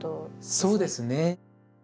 そうですね。